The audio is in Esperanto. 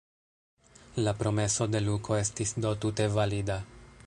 La promeso de Luko estis do tute valida.